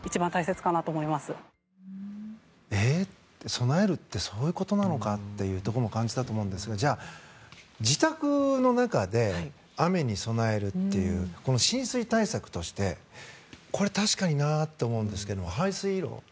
備えるってそういうことなのかというのも感じたと思うんですが自宅の中で雨に備えるという浸水対策として確かになと思うんですが排水路。